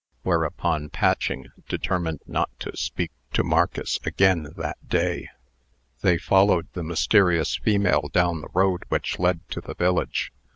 Whereupon Patching determined not to speak to Marcus again that day. They followed the mysterious female down the road which led to the village.